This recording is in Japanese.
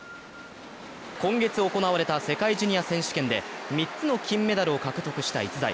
今月行われた世界ジュニア選手権で３つの金メダルを獲得した逸材。